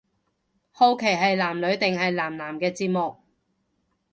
好奇係男女定係男男嘅節目